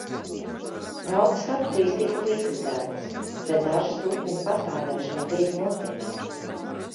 Daudzas abatijas tika likvidētas, bet dažas turpina pastāvēšanu līdz mūsdienām.